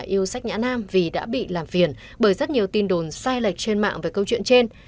yêu sách nhã nam vì đã bị làm phiền bởi rất nhiều tin đồn sai lệch trên mạng về câu chuyện trên